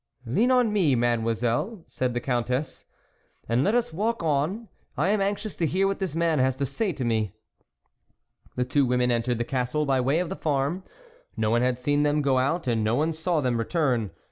" Lean on me, Mademoiselle," said the Countess, "and let us walk on; I am anxious to hear what this man has to say to me." THE WOLF LEADER 93 The two women entered the castle by way of the farm ; no one had seen them go out, and no one saw them return.